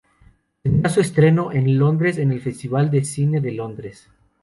Tendrá su estreno en Londres en el Festival de Cine de Londres.